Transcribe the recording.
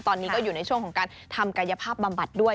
ตอนนี้ก็อยู่ในช่วงของการทำกายภาพบำบัดด้วย